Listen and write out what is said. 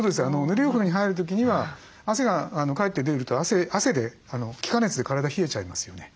ぬるいお風呂に入る時には汗がかえって出ると汗で気化熱で体冷えちゃいますよね？